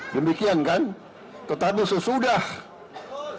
demikian kan tetapi sesungguhnya